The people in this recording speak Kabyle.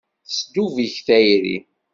Tesdub-ik tayri.